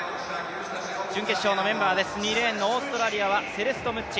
準決勝のメンバーです、２レーンのオーストラリアのセレスト・ムッチ